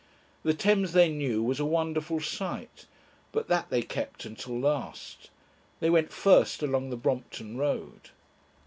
The Thames they knew was a wonderful sight, but that they kept until last. They went first along the Brompton Road....